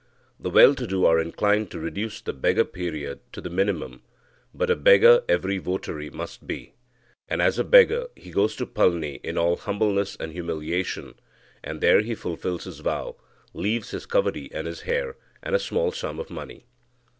The well to do are inclined to reduce the beggar period to the minimum, but a beggar every votary must be, and as a beggar he goes to Palni in all humbleness and humiliation, and there he fulfils his vow, leaves his kavadi and his hair, and a small sum of money.